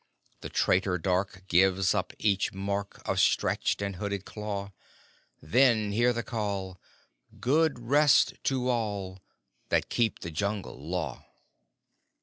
The traitor Dark gives up each mark Of stretched or hooded claw; Then hear the Call: "_Good rest to all That keep the Jungle Law!